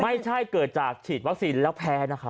ไม่ใช่เกิดจากฉีดวัคซีนแล้วแพ้นะครับ